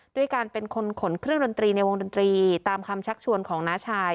ด้วยการเป็นคนขนเครื่องดนตรีในวงดนตรีตามคำชักชวนของน้าชาย